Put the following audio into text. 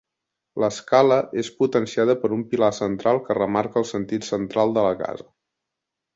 L'escala és potenciada per un pilar central que remarca el sentit central de la casa.